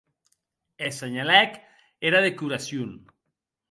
E senhalèc era decoracion.